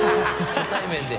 初対面で。